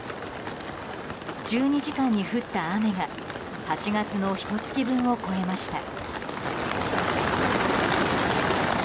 １２時間に降った雨が８月のひと月分を超えました。